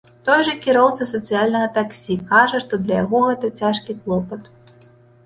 Той жа кіроўца сацыяльнага таксі кажа, што для яго гэта цяжкі клопат.